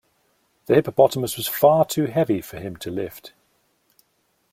The hippopotamus was far too heavy for him to lift.